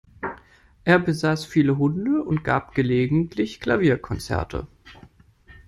Er besaß viele Hunde und gab gelegentlich Klavierkonzerte.